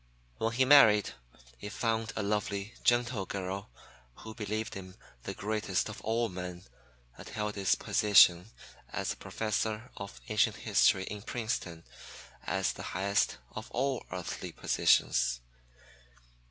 When he married, he found a lovely, gentle girl, who believed him the greatest of all men and held his position as Professor of Ancient History in Princeton as the highest of all earthly positions.